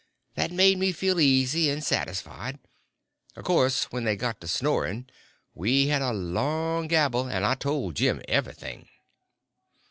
That made me feel easy and satisfied. Of course when they got to snoring we had a long gabble, and I told Jim everything.